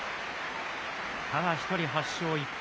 ただ一人、８勝１敗。